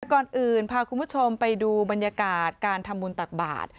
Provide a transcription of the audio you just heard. แต่ก่อนอื่นพาคุณผู้ชมไปดูบรรยากาศการทำบุญตักบาท